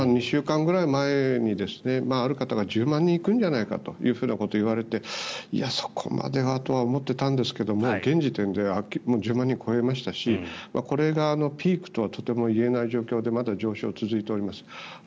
２週間くらい前に、ある方が１０万人行くんじゃないかということを言われて、いやそこまではと思っていたんですが現時点でもう１０万人超えましたしこれがピークとはとても言えない状況でまだ上昇が続いております。